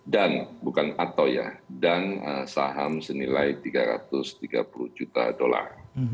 dan bukan atau ya dan saham senilai rp tiga ratus tiga puluh juta dolar